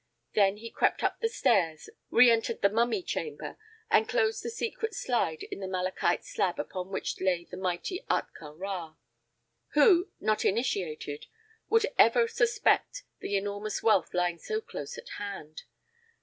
Then he crept up the stairs, reëntered the mummy chamber, and closed the secret slide in the malachite slab upon which lay the mighty Ahtka Rā. Who, not initiated, would ever suspect the enormous wealth lying so close at hand?